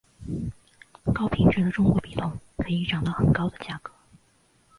高品质的中国笔筒可以涨到很高的价格。